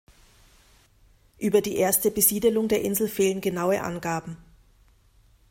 Über die erste Besiedelung der Insel fehlen genaue Angaben.